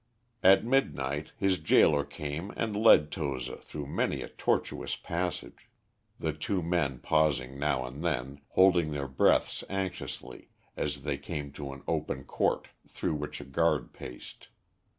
At midnight his gaoler came and led Toza through many a tortuous passage, the two men pausing now and then, holding their breaths anxiously as they came to an open court through which a guard paced.